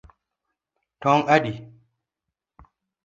Tong adi?